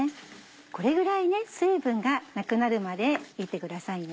これぐらい水分がなくなるまで炒ってくださいね。